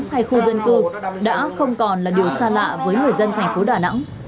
hay khu dân cư đã không còn là điều xa lạ với người dân thành phố đà nẵng